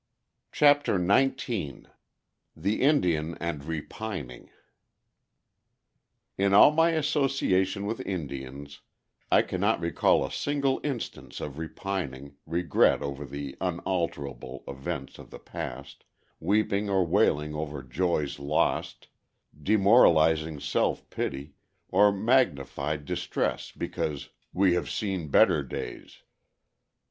CHAPTER XIX THE INDIAN AND REPINING In all my association with Indians, I cannot recall a single instance of repining, regret over the unalterable events of the past, weeping or wailing over joys lost, demoralizing self pity, or magnified distress because "we have seen better days."